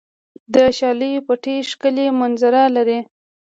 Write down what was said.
د شالیو پټي ښکلې منظره لري.